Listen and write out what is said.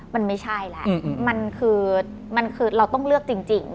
มันไม่ใช่แหละมันคือมันคือเราต้องเลือกจริง